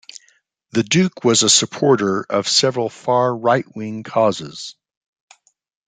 The Duke was a supporter of several far right-wing causes.